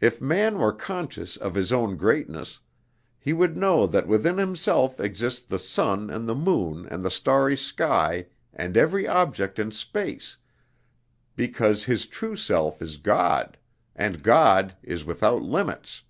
If man were conscious of his own greatness, he would know that within himself exist the sun and the moon and the starry sky and every object in space, because his true self is God; and God is without limits."